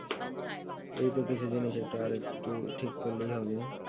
এই তো কিছু জিনিস একটু আকটু ঠিক করলেই হবে।